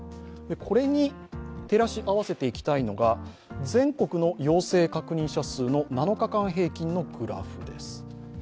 これに照らし合わせていきたいのが全国の陽性確認者数の７日間平均のグラフです。